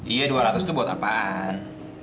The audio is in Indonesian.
iya dua ratus itu buat apaan